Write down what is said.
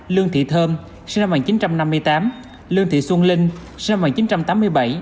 lương thị thơm sinh năm một nghìn chín trăm năm mươi tám lương thị xuân linh sinh năm một nghìn chín trăm tám mươi bảy